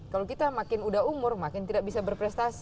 kalau kita makin udah umur makin tidak bisa berprestasi